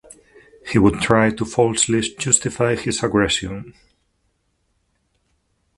he would try to falsely justify his aggression.